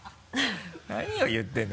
何を言ってるんだ